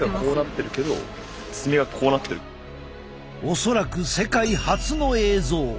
恐らく世界初の映像！